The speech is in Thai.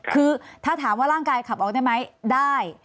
คือถ้าถามว่าร่างกายขับออกได้ไหมได้